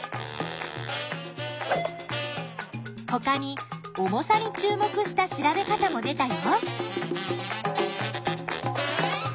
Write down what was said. ほかに重さに注目した調べ方も出たよ。